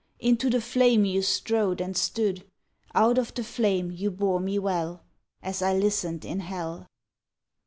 Into the flame you strode and stood. Out of the flame you bore me well, As I listened in hell.